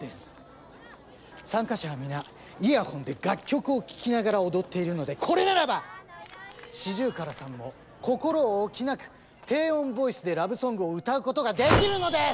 参加者は皆イヤホンで楽曲を聴きながら踊っているのでこれならばシジュウカラさんも心置きなく低音ボイスでラブソングを歌うことができるのです！